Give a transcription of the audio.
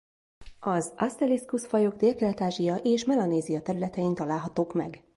Az Aselliscus-fajok Délkelet-Ázsia és Melanézia területein találhatók meg.